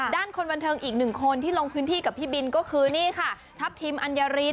คนบันเทิงอีกหนึ่งคนที่ลงพื้นที่กับพี่บินก็คือนี่ค่ะทัพทิมอัญญาริน